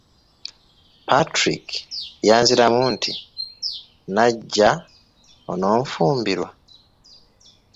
Patrick yanziramu nti, "Nnajja onanfumbirwa?"